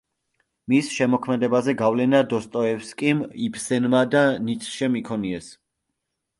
მის შემოქმედებაზე გავლენა დოსტოევსკიმ, იბსენმა და ნიცშემ იქონიეს.